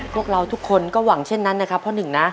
พวกเราทุกคนก็หวังเช่นนั้นนะครับพ่อหนึ่งนะ